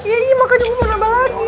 iya makanya gue mau nambah lagi